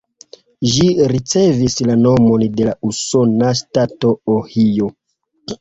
Ĝi ricevis la nomon de la usona ŝtato Ohio.